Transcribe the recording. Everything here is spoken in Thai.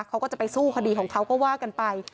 เขาก็จะไปสู้คดีของเขาก็ว่ากันไป